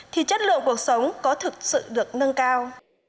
thì chất lượng cuộc sống có thực sự được nâng cao